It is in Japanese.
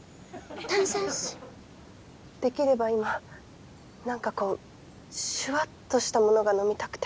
できれば今何かこうしゅわっとしたものが飲みたくて。